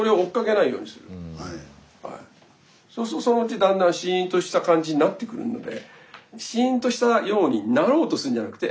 そうするとそのうちだんだんシーンとした感じになってくるので。